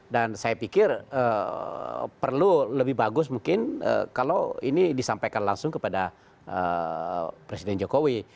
dan saya pikir perlu lebih bagus mungkin kalau ini disampaikan langsung kepada presiden jokowi